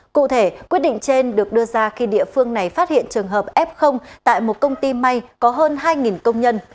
cụ thể quyết định trên được đưa ra khi địa phương này phát hiện trường hợp f tại một công ty may có hơn hai công nhân